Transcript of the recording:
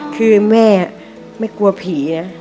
คือแม่ไม่กลัวผีนะ